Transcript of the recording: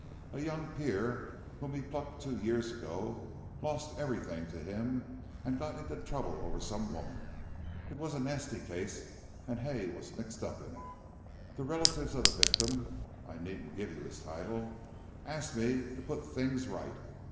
A young peer whom he plucked two years ago lost everything to him, and got into trouble over some woman. It was a nasty case and Hay was mixed up in it. The relatives of the victim I needn't give his title asked me to put things right.